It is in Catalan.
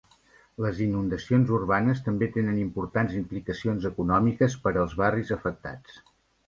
Les inundacions urbanes també tenen importants implicacions econòmiques per als barris afectats.